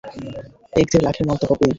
এক-দেড় লাখের মাল তো হবেই।